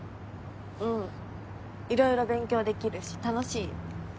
うん色々勉強できるし楽しいよ。